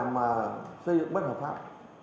mà xây dựng bất hợp pháp